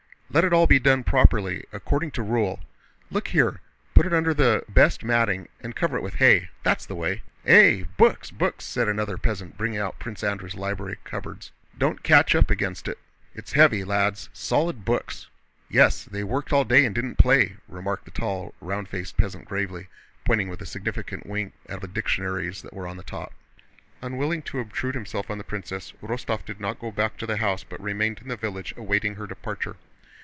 Let it all be done properly, according to rule. Look here, put it under the bast matting and cover it with hay—that's the way!" "Eh, books, books!" said another peasant, bringing out Prince Andrew's library cupboards. "Don't catch up against it! It's heavy, lads—solid books." "Yes, they worked all day and didn't play!" remarked the tall, round faced peasant gravely, pointing with a significant wink at the dictionaries that were on the top. Unwilling to obtrude himself on the princess, Rostóv did not go back to the house but remained in the village awaiting her departure.